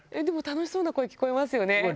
でも楽しそうな声聞こえますよね。